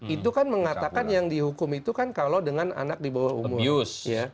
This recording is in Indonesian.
itu kan mengatakan yang dihukum itu kan kalau dengan anak di bawah umur